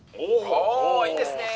「おおいいですねえ」。